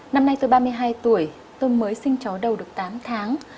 năm nay tôi ba mươi hai tuổi tôi mới sinh chó đầu được tám tháng